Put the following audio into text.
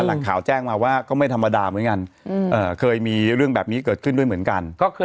หลังข่าวแจ้งมาว่าก็ไม่ธรรมดาเหมือนกันเคยมีเรื่องแบบนี้เกิดขึ้นด้วยเหมือนกัน